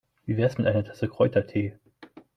Wie wär's mit einer Tasse Kräutertee?